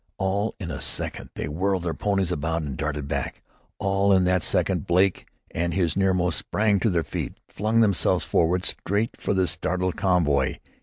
All in a second they whirled their ponies about and darted back. All in that second Blake and his nearmost sprang to their feet and flung themselves forward straight for the startled convoy.